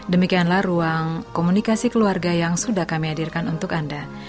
demikianlah ruang komunikasi keluarga yang sudah kami hadirkan untuk anda